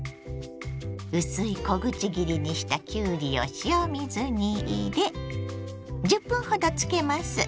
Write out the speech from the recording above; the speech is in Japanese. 薄い小口切りにしたきゅうりを塩水に入れ１０分ほどつけます。